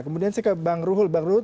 kemudian saya ke bang ruhul